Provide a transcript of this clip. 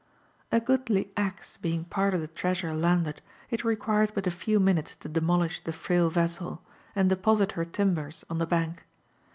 A goodly ase being p«rt of the treasure landed, it required but a few oUnules to demolish the frail vessel ^^^ deposit her timbers on thef hank.